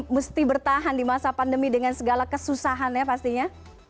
mesti bertahan di masa pandemi dengan segala kesusahan ya pastinya